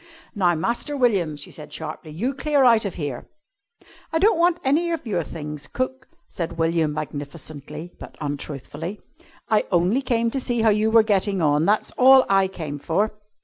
"Now, Master William," she said sharply, "you clear out of here!" "I don't want any of your things, cook," said William, magnificently but untruthfully. "I only came to see how you were getting on. That's all I came for."